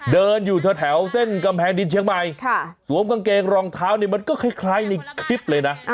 เดินอยู่แถวเส้นกำแพงดินเชียงใหม่สวมกางเกงรองเท้าเนี่ยมันก็คล้ายในคลิปเลยนะ